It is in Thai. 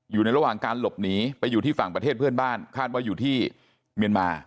อยู่ในระหว่างการหลบหนีไปอยู่ที่ฝั่งประเทศเพื่อนบ้านคาดว่าอยู่ที่เมียนมา